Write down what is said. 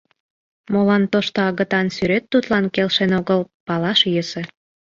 Молан тошто агытан сӱрет тудлан келшен огыл, палаш йӧсӧ.